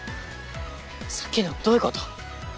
さっきのどういうこと？